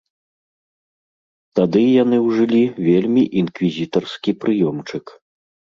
Тады яны ўжылі вельмі інквізітарскі прыёмчык.